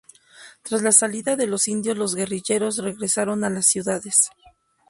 Tras la salida de los indios los guerrilleros regresaron a las ciudades.